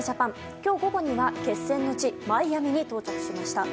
今日午後には決戦の地マイアミに到着しました。